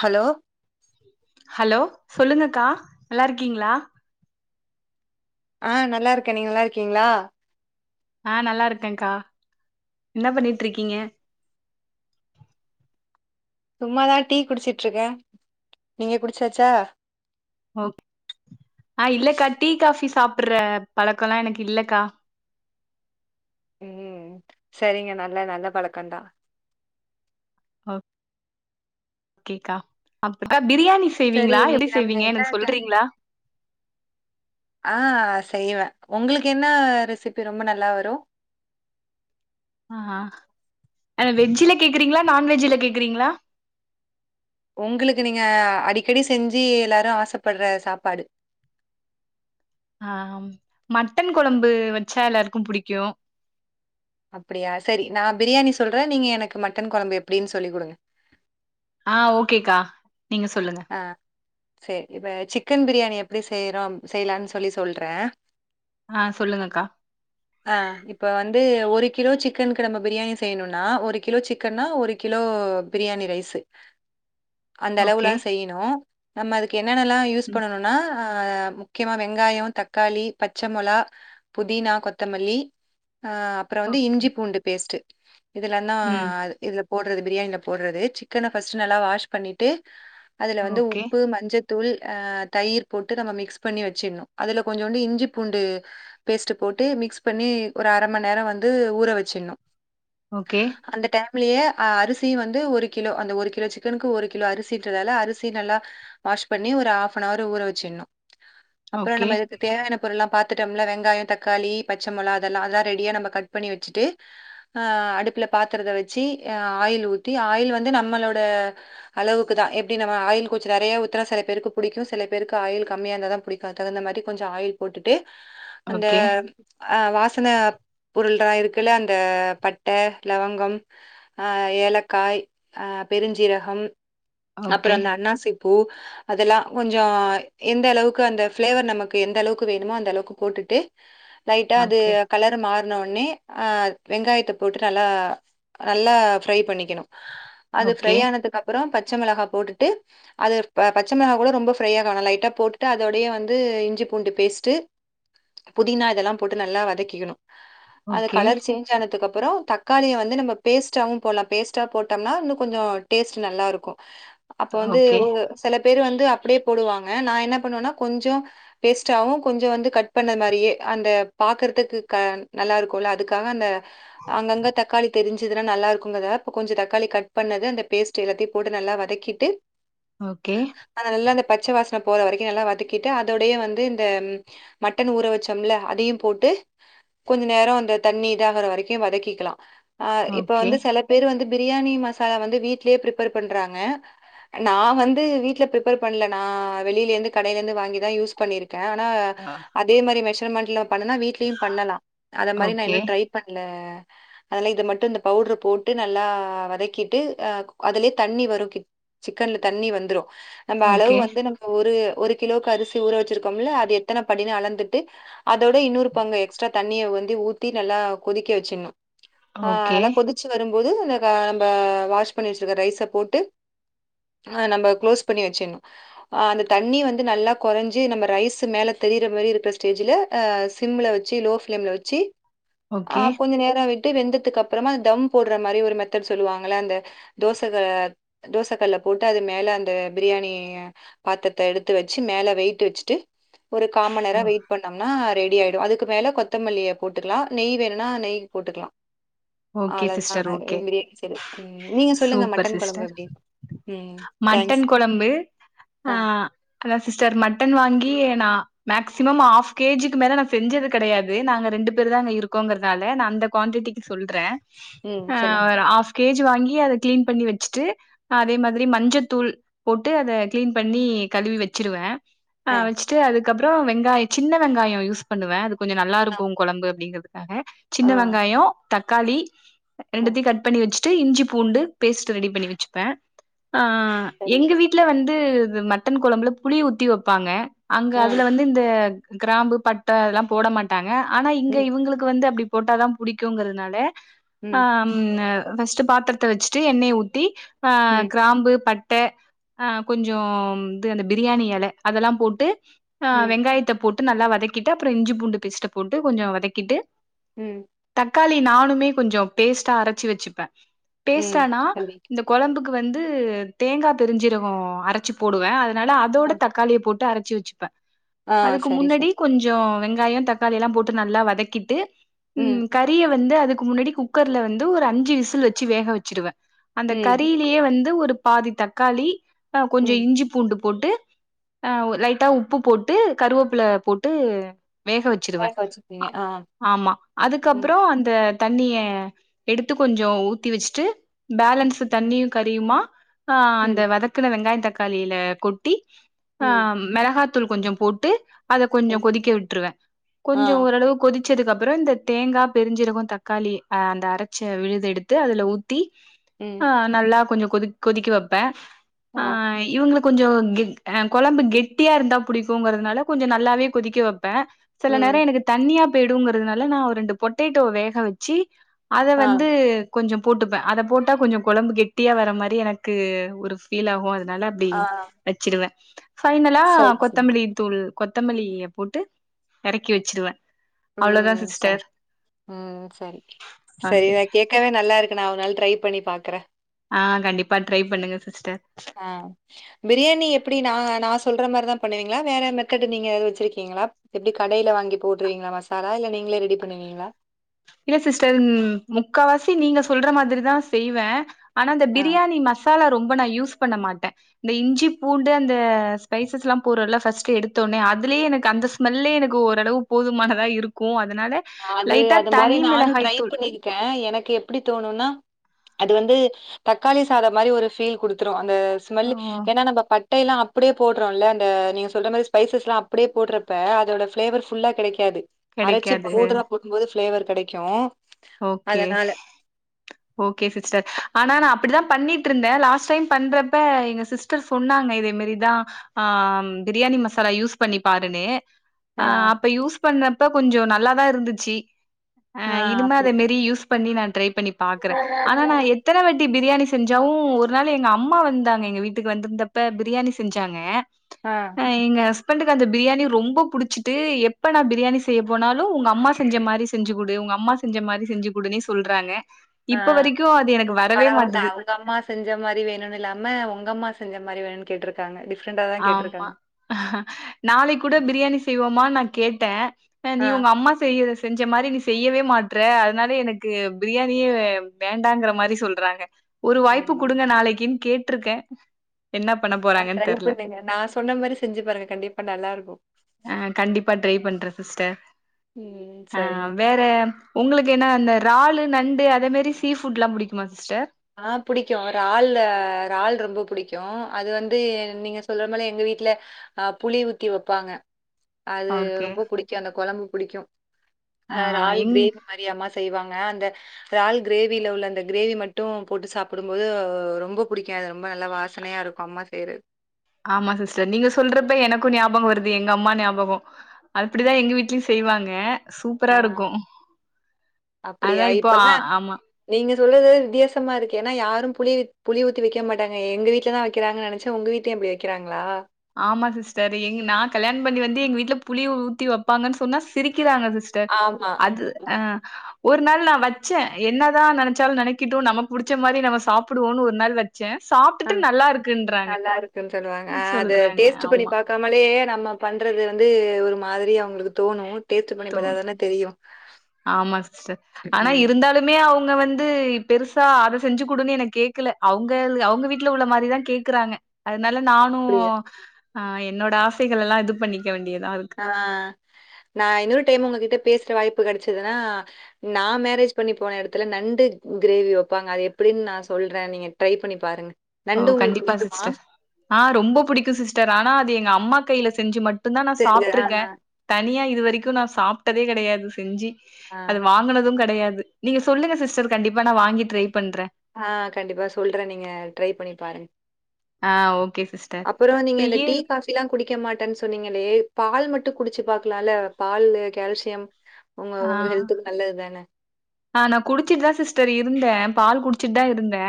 Hello hello சொல்லுங்கக்கா நல்லாருக்கீங்ளா ஆ நல்லாருக்கே நீங்க நல்லாருக்கீங்ளா ஆ நல்லாருக்கேகா இன்ன பண்ணிட்ருக்கீங்க சும்மாதா டீ குடிச்சிட்ருக்கே நீங்க குடிச்சாச்சா ஓ ஆ இல்லக்கா டீ காஃபி சாப்புற்ற பழக்கோலா எனக்கில்லக்கா ம் சரிங்க நல்ல நல்ல பழக்கந்தா ஒ கேகா அப்ற பிரியாணி ஸ் சரி செய்வீங்ளா எப்டி இன்னைக்கு நம்ம செய்வீங்க என்ன எனக் ட- சொல்றீங்ளா ஆ செய்வ ஒங்ளுக் என்ன ரெசிபி ரொம்ப நல்லா வரு ஆ அது வெஜ்ல கேக்குறீங்ளா நான்வெஜ்ல கேக்குறீங்ளா ஒங்ளுக் நீங்க அடிக்கடி செஞ்சி எல்லாரு ஆசைப்பட்ற சாப்பாடு ஆ மட்டன் கொழம்பு வச்சா எல்லாருக்கு புடிக்கு அப்டியா செரி நா பிரியாணி சொல்றே நீங்க எனக் மட்டன் கொழம்பு எப்டின் சொல்லி குடுங்க ஆ ஓகேகா நீங்க சொல்லுங்க ஆ செ இப்ப சிக்கன் பிரியாணி எப்டி செய்றோ அப் செய்லான் சொல்லி சொல்றே ஆ சொல்லுங்க்கா ஆ இப்ப வந்து ஒரு கிலோ சிக்கன்க்கு நம்ம பிரியாணி செய்ணுனா ஒரு கிலோ சிக்கன்னா ஒரு கிலோ பிரியாணி ரைஸு அந்த ஓகே அளவுல்லா செய்ணு நம்ம அதுக்கு என்னென்னல்லா யூஸ் ம் பண்ணனுனா ஆ முக்கியமா வெங்காய தக்காளி பச்ச மொளா புதினா கொத்தமல்லி அ அப்ற வந்து ஓகே இஞ்சி பூண்டு பேஸ்ட்டு இதுலனா ம் இதுல போட்றது பிரியாணில போட்றது சிக்கன ஃபஸ்ட் நல்லா வாஷ் பண்ணிட்டு அதுல வந்து ஓகே உப்பு மஞ்சத் தூள் அ தயிர் போட்டு நம்ம மிக்ஸ் பண்ணி வச்சிட்ணு அதுல கொஞ்சோண்டு இஞ்சி பூண்டு பேஸ்ட் போட்டு மிக்ஸ் பண்ணி ஒரு அரை மண் நேரோ வந்து ஊற வச்சிட்ணு ஓகே அந்த டைம்லயே அரிசி வந்து ஒரு கிலோ அந்த ஒரு கிலோ சிக்கனுக்கு ஒரு கிலோ அரிசிட்றதால அ ரிசி நல்லா வாஷ் பண்ணி ஒரு ஹாஃப் அன் அர் ஊற வச்சிட்னு அப்ரோ ஓகே நம்ம தேவையான பொருள்ல்லா பாத்துட்டோம்ல வெங்காயோ தக்காளி பச்ச மொளா அதெல்லா அத ரெடியா நம்ம கட் பண்ணி வச்ட்டு அ அடுப்புல பாத்திரத்த வச்சு அ ஆயில் ஊத்தி ஆயில் வந்து நம்மளோட அளவுக்கு தா எப்டி நம் ஆயில் கொஞ்சோ நெறைய ஊத்துனா சில பேருக்கு பிடிக்கு சில பேருக்கு ஆயில் கம்மியா இருந்தா தா புடிக்கு தகுந்த மாரி கொஞ்ச ஆயில் போட்டுட்டு அந்த ஓகே அ வாசன பொருள்ல்ட்றா இருக்குல்ல அந்த பட்ட லவங்கம் அ ஏலக்காய் அ பெருஞ்சீரகம் அப்றோ ஓகே அந்த அன்னாசி பூ அதெல்லா கொஞ்சோ எந்த அளவுக்கு அந்த ஃப்ளேவர் நமக்கு எந்த அளவுக்கு வேணுமோ அந்த அளவுக்கு போட்டுட்டு லைட்டா அது ஓகே கலரு மாறுன வொன்னே அ வெங்காயத்த போட்டு நல்லா நல்லா ஃப்ரை பண்ணிக்கணு அது ஃப்ரை ஓகே ஆனதுக்கு அப்றோம் பச்ச மிளகா போட்டுட்டு அது பச்ச மிளகா கூட ரொம்ப ஃப்ரை ஆக வேணா லைட்டா போட்டுட்டு அதோடயே வந்து இஞ்சி பூண்டு பேஸ்ட்டு புதினா இதெல்லா போட்டு நல்லா வதக்கிக்கணு அத ஓகே கலர் சேஞ் சானத்துக்கு அப்றோ தக்காளிய வந்து நம்ம பேஸ்ட்டாவும் போட்லா பேஸ்ட்டா போட்டோம்னா இன்னு கொஞ்சோ டேஸ்ட் நல்லாருக்கு அப்ப வந்து ஓகே சில பேரு வந்து அப்டியே போடுவாங்க நா என்ன பண்ணுவேன்னா கொஞ்சோ வேஸ்ட்டாவு கொஞ்சோ வந்து கட் பண்ண மாரியே அந்த பாக்குறதுக்கு நல்லா இருக்குல்ல அதுக்காக அந்த அங்கங்க தக்காளி தெரிஞ்சதுன்னா நல்லா இருக்குங்கத கொஞ்சோ தக்காளி கட் பண்ணது அந்த பேஸ்ட் எல்லாத்தையு போட்டு நல்லா வதக்கிட்டு ஓகே அத நல்லா அந்த பச்ச வாசன போற வரைக்கு நல்லா வதக்கிட்டு அதோடயே வந்து இந்த மட்டன் ஊற வச்சம்ல அதையு போட்டு கொஞ்சோ நேரோ அந்த தண்ணி இதாகற வரைக்கு வதக்கிக்கலா ஆ இப்ப ஓகே வந்து சில பேர் வந்து பிரியாணி மசாலா வந்து வீட்லே பிரிப்பேர் பண்றாங்க நா வந்து வீட்ல ப்ரிப்பேர் பண்ணல நா வெளியில இந்து கடைய்ல இந்து வாங்கிதா யூஸ் பண்ணிர் க்கே னா அ அதே மாரி மெஷர்மெண்ட்ல பண்ணுனா வீ்ட்லயு பண்ணலா அத மாரி நா ஓகே இன்னு ட்ரை பண்ல அதால இத மட்டு இந்த பவுட்ரு போட்டு நல்லா வதக்கிட்டு அ அதுலே தண்ணி வரு கிட் சிக்கன்ல தண்ணி வந்துரு நம்ம அளவு ஓகே வந்து நம் ஒரு ஒரு கிலோக்கு அரிசி ஊற வச்சிருக்கோம்ல அது எத்தன படினு அளந்துட்டு அதோட இன்னொரு பங்க எக்ஸ்ட்ரா தண்ணிய வந்து ஊத்தி நல்லா கொதிக்க வச்சிட்ணு ஆ ஓகே நல்லா கொதிச்சு வரும்போது அந்த கா நம்ப வாஷ் பண்ணி வச்சிருக்ற ரைஸ போட்டு ஆ நம்ப க்ளோஸ் பண்ணி வச்சிட்ணு ஆ அந்த தண்ணி வந்து நல்லா கொறஞ்சி நம்ம ரைஸ் மேல தெரிய்ற மாரி இருக்ற ஸ்டேஜ்ல அ சிம்ல வெச்சி லோ ஃபிளேம்ல வெச்சி அ ஓகே கொஞ்ச நேரோ விட் ட்டு வெந்ததுக்கு அப்பறமா தம் போட்ற மாரி ஒரு மெத்தட் சொல்லுவாங்கள்ல அந்த தோச க தோச கல்ல போட்டு அது மேல அந்த பிரியாணி பாத்திரத்த எடுத்து வச்சு மேல வெயிட் வச்சுட்டு ஒரு காமண் நேரோ ஓ- வெயிட் பண்ணோம்னா ரெடி ஆயிடு அதுக்கு மேல கொத்தமல்லிய போட்டுக்கலா நெய் வேணுனா நெய் போட்டுக்லா ஓகே அவ்ளோதா சிஸ்டர் ஓகே பிரியாணி செய்றது நீங்க சொல்லுங்க சூப்பர் மட்டன் கொழம்பு சிஸ்டர் எ ம் தாங்க்ஸ் அ அதான் சிஸ்டர் மட்டன் வாங்கி நா மேக்சிமம் ஆஃப் கேஜிக்கு மேல நா செஞ்சது கெடையாது நாங்க ரெண்டு பேரு தாங்க இருக்கோங்கறதால நா அந்த குவான்டிட்டிக்கு சொல்றே ம் எ சொல்லுங்க ஒரு ஆஃப் கே ஜி வாங்கி அத க்ளீன் பண்ணி வச்சுட்டு அதே மாதிரி மஞ்சத்தூள் போட்டு அத க்ளீன் பண்ணி கழுவி வச்சிற்வே ஆ வெச்சுட்டு அதுக்கப்றோ வெங்காயோ சின்ன வெங்காயோ யூஸ் பண்ணுவே அது கொஞ்சோ ஆ நல்லாருக்கு கொழம்பு அப்டிங்கறதுக்காக சின்ன ஆ வெங்காயோ தக்காளி ஆ ரெண்டுத்தையு கட் பண்ணி வச்சுட்டு இஞ்சி பூண்டு பேஸ்ட் ரெடி பண்ணி வச்சுப்பே ஆ சரி எங்க வீட்ல வந்து மட்டன் கொழம்புல புளி ஊத்தி வப்பாங்க அங்க ஆ அதுல வந் இந்த க்ராம்பு பட்ட அதெல்லா போட மாட்டாங்க ஆனா இங்க ம் இவங்களுக்கு வந்து அப்டி போட்டாதா புடிக் குங்கறனால ஆ ம் ஃபர்ஸ்ட்டு பாத்ரத்த வச்சுட்டு எண்ணெய்ய ஊத்தி ஆ ம் க்ராம்பு பட்ட ஆ கொஞ்சோ இது அந்த பிரியாணி எல அதெல்லா போட்டு ஆ ம் வெங்காயத்த போட் டு நல்லா வதக்கிட்டு அப்ற இஞ்சி பூண்டு பேஸ்ட்ட போட்டு கொஞ்ச வதக்கிட்டு ம் தக்காளி நானுமே கொஞ்ச பேஸ்ட்டா அரச்சு வச்சுப்பே ம் பேஸ்ட்டானா சரி இந்த கொழம்புக்கு வந்து தேங்கா பெருஞ்சீரக அரச் சு போடுவே அதனால ஆ அதோட தக்காளிய போட்டு அரைச்சி வச்சுப்பே ஆ அதுக்கு சரி சரி முன்னடி கொஞ்ச வெங்காய தக்காளி எல்லா போட்டு நல்லா வதக்கிட்டு ம் கறிய வந்து அதுக்கு முன்னடி குக்கர்ல வந்து ஒரு அஞ்சு விசில் வச்சு வேக வச்சிருவே அந்த ம் கறிலேயே வந்து ஒரு பாதி தக்காளி ஆ கொஞ்ச ம் இஞ்சிப் பூண்டு போட்டு ஆ லைட்டா உப்பு போட்டு கருவேப்ல போட்டு வேக வச்சிருவே வேக வச்சிருக்கீங்க அ ஆ ஆமா அதுக் ம் அந்த தண்ணிய எடுத்து கொஞ்ச ஊத்தி வச்சுட்டு பேலன்ஸ் தண்ணியு க மா அஹ் ம் அந்த வதக்குன வெங்காய தக்காளில கொட்டி ஆ ம் மெளகாத்தூள் கொஞ்ச போட்டு அத கொஞ்ச ம் கொதிக்க விட்ருவே ஆ கொஞ்ச ஓரளவு கொதிச்சதுக்கு அப்ற இந்த தேங்கா பெரிஞ்சீரக தக்காளி் அ அந்த அரச்ச விழுத எடுத்து அதுல ஊத்தி ஆ ம் நல்லா கொஞ்ச கொதிக் கொதிக்க வைப்பே ஆ இவங்களுக்கு கொஞ்ச கெட் அ கொழம்பு கெட்டியா இருந்தா புடிக்குங்கறதுனால கொஞ்ச நல்லாவே கொதிக்க வப்பே சில ம் நேரம் எனக்கு தண்ணியா போய்டுங்கறதுனால நா ஒரு ரெண்டு பொட்டேட்டோ வேக வச்சு அத ஆ வந்து கொஞ்ச போட்டுப்பே அத போட்டா கொஞ்ச கொழம்பு கெட்டியா வர மாரி எனக்கு ஒரு ஃபீல் ஆகு அதனால அப்டி ஆ வச்சுருவே ஃபைனல்லா சரி சரி கொத்தமல்லி தூள் கொத்தமல்லிய போட்டு எறக்கி வச்சுருவே ம் ச ம் சரி ஓகே சரிதா கேக் கவே நல்லா இருக்கு நா ஒரு நாள் ட்ரை பண்ணி பாக்குறே ஆ கண்டிப்பா ட்ரை பண்ணுங்க சிஸ்டர் ஆ பிரியாணி எப்டி நா நா சொல்ற மாரிதா பண்ணுவீங்களா வேற மெத்தடு நீங்க வச்சுருக்கீங்களா எப்டி கடைல வாங்கி போட்ருவிங்ளா மசாலா இல்ல நீங்களே ரெடி பண்ணுவீங்ளா இல்ல சிஸ்டர் ம் முக்காவாசி நீங்க சொல்ற மாதிரிதா செய்வே ஆனா இந்த ஆ பிரியாணி மசா லா ரொம்ப நா யூஸ் பண்ண மாட்டே இந்த இஞ்சி பூண்டு அந்த ஸ்பைசஸ் எல்லா போறோம்ல ஃபர்ஸ்ட் எடுத்தோனே அதுலே எனக்கு அந்த ஸ்மெல்லே எனக்கு ஓரளவு போதுமானதா இருக்கு அதனால அது லைட்டா அது மாரி தனி நானு ட்ரை மிளகாய் தூள் பண்ணி ர்க்கே எனக்கு எப்டி தோணுன்னா அது வந்து தக்காளி சாதம் மாரி ஒரு ஃபீல் குடுத் ரு அந்த ஸ்மெல் ஓ ஏன்னா நம்ப பட் டைல்லா அப்டே போடுறோல்ல அந்த நீங்க சொல்ற மாரி ஸ்பைஸ்லா அப்டே போட்றப்ப அதோட ஃபிளேவர் ஃபுல்லா கெடைக்காது அரைச்சு கெடக்காது பவுடரா போடும்போது ஃப்ளேவர் கெடக்கு ஓகே ஓகே சிஸ்டர் ஆனா நா அப்பிடிதா பண்ணிட்ருந்த லாஸ்ட் டைம் பண்றப்ப எங்க சிஸ் டர் சொன்னாங்க இதேமேரிதா அ பிரியாணி மசாலா யூஸ் பண்ணி பாருனு ஆ அ அப்ப யூஸ் பண்ணப்ப கொஞ்சோ நல்லாதா இருந்துச்சி அ ஆ இனிமத் அப்டி த்ரி யூஸ் பண்ணி நா ட்ரை பண்ணி பாக்குற ஆனா நா எத்தனவாட்டி பிரியாணி செஞ்சாவும் ஒரு நாள் எங்கம்மா வந்தாங்க எங்க வீட்டுக்கு வந்துருந்தப்ப பிரியாணி செஞ்சாங்க அ அ எங்க ஹஸ்பண்டுக்கு அந்த பிரியாணி ரொம்ப புடிச்சுட்டு எப்ப நா பிரியாணி செய்ய போனாலு உங்கம்மா செஞ்ச மாரி செஞ்சு குடு ஒங்கம்மா செஞ்சமாரி செஞ்சு குடுனே சொல்றாங்க இப்ப வரைக்கு அது எனக்கு வரவே மாட்டுது எங்கம்மா செஞ்சமாரி வேணுன்னில்லாம ஒங்கம்மா செஞ்ச மாரி வேணுன் கேட்ருக்காங்க டிஃப்ரெண்டா தா கேட்ருக்காங்க அ நாளைக்கூட பிரியாணி செய்வோமான் நா கேட்டே அ நீ ஆ ஒங்கம்மா செய்யிற செஞ்ச மாரி நீ செய்யவே மாட்ற அதுனால எனக்கு பிரியாணியே வேண்டாங்குற மாரி சொல்றாங்க ஒரு வாய்ப்பு ஐயோ! குடுங்க நாளக்கின் கேட்ருகே என்ன பண்ணப்போ ஆ ட்ரை பண்ணுங்க நா சொன்ன மாரி செஞ்சு பாருங்க கண்டிப்பா நல்லாருக்கு அ கண்டிப்பா ட்ரைப்பண்றன் சிஸ்டர் ம் அ சரிங்க வேற உங்களுக்கு என்ன அந்த றாலு நண்டு அதே மாரி சீ ஃபுட்லா புடிக்குமா சிஸ்டர் அ புடிக்கு றால் றால் ரொம்ப புடிக்கும் அது வந்து நீங்க சொல்ற போல எங்க வீட்ல அ புளி ஊத்தி வப்பாங்க அது ஓகே. ரொம்ப புடிக்கு அந்த கொழம்பு புடிக்கும் ஆ அ றால் எங் க்ரே மெரி அம்மா செய்வாங்க அந்த றால் க்ரேவில உள்ள அந்த க்ரேவி மட் டும் போட்டு சாப்புடும் போது ரொம்ப புடிக்கு அது ரொம்ப நல்லா வாசனயாருக்கும் அம்மா செய்றது ஆமா சிஸ்டர் நீங்க சொல்றப்ப எனக்கு ஞாபகம் வருது எங்கம்மா ஞாபகோ அப்டிதா எங்க வீட்லியு செய்வாங்க ஆ சூப்பராருக்கு அப்படியா? அதா இப்போ அ இப்பலாம் ஆமா நீங்க சொல்றது வித்தியாசமாருக்கு எனா யாரும் புளி புளி ஊத்தி வெக்க மாட்டாங்க எங்க வீட்லதா வெக்கிறாங்க நெனச்ச உங்க வீட் லயு அப்டி வக்கிறாங்ளா ஆமா சிஸ்டர் எங் நா கல்யாண பண்ணி வந்து எங்க வீட்ல புளிய ஊத்தி வப்பாங்கன் சொன்னா சிரிக்கிறாங்க சிஸ் டர் ஆமா. அது அ ஒரு நாள் நா வச்சே என்னதா நெனச்சாலு நெனக்கிட்டு நமக் புடிச்ச மாரி நம்ம சாப்புடுவோன் ஒரு நாள் வச் சன் சாப்ட்டுட்டு நல்லாருக்குன்றாங்க சொல் சொல்லுவாங்க ஆ அது டேஸ்ட்டு பண்ணி பாக் கமலே நம்ம பண்றது வந்து ஒரு மாதிரி அவுங்களுக்கு தோணு தோண் ஆமா சிஸ்டர் ஆனா ம் இருந்தாலு உண்மையா அவுங்க வந்து பெருசா அத செஞ்சு குடுங்க என கேக்குல அவுங்கல் அவுங்க வீட்ல உள்ள மாரி கேக்குறாங்க அதுனால நானு அப்படியா? ஆ என்னோட ஆசைகளலா இது பண்ணிக்க வேண்டியதா அ நா இன்னோரு டைம் உங்ககிட்ட பேசுற வாய்ப்பு கெடச்சுதுனா நா மேரேஜ் பண்ணி போன எடத்துல நண்டு க்ரேவி வப்பாங்க அது எப்பிடின் நா சொல்ற நீங்க ட்ரை பண்ணி பாருங்க ஓ நண்டு உங்களுக்கு கண்டிப்பா புடிக்குமா சிஸ்டர் ஆ ரொம்ப புடிக்கு சிஸ்டர் ஆனா அது எங்கம்மா கையில செஞ்சு மட்டுந் தா நா தெரிஞ்ச ஆ சாப்ட்டுருக்கே தனியா இது வரைக்கு நா சாப்ட்டதே கெடையாது செஞ்சு ஆ அத வாங்குனது கெடையாது நீங்க சொல்லுங்க சிஸ்டர் கண்டிப்பா நா வாங்கி ட்ரை பண்ற அ கண்டிப்பா சொல்ற நீங்க ட்ரை பண்ணி பாருங்க அ ஓகே சிஸ் அப்போறோ நீங்க இந்த டீ கா பிலா குடிக்க மாட்டன் சொன்னீங்கலே பால் மட்டு குடிச்சு பாக்லால பால்லு கால்சியம் உங்க உங்க ஹெல்த்துக்கு நல்லது தான அ நா குடிச்சிட்டு தா சிஸ்டர் இருந்தே பால் குடிச்சுட்டு தா இருந்தே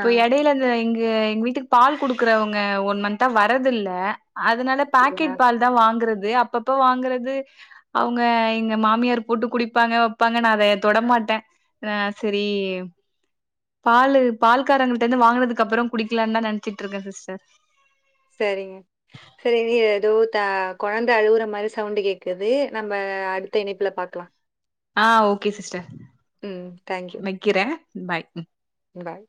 ஆ எடைய்ல இந்த இங்க எங்க வீட்டுக்கு பால் குடுக்குறவங்க ஒன் மந்த்தா வரது இல்ல அதனால அப்படியா? பாக்கெட் பால் தா வாங்கறது அப்பப்ப வாங்கறது அவங்க எங்க மாமியார் போட்டு குடிப்பாங்க வைப்பாங்கனு அத தொடமாட்டே அ சரி பாலு பால்காரங்கிட்ட வாங்கினதுக்கு அப்றோ குடிக்கலான்னு தா நெனச்சிட்டு இருக்கே சிஸ்டர் சரிங்க சரி நீ ஏதோ த கொழந்த அழுவுற மாரி சவுண்டு கேக்குது நம்ம அடுத்த இணைப்புல பாக்கலா ஆ ஓகே சிஸ்டர் ம் தேங்க்யூ வக்கிரே பாய் பாய்